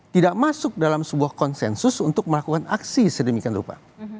tidak masuk dalam sebuah konsensus untuk melakukan aksi sedemikian rupa